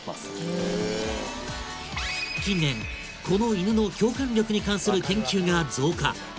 へぇ近年この犬の「共感力」に関する研究が増加！